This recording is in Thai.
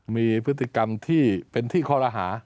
มีพฤติกรรมที่เป็นที่คอรหา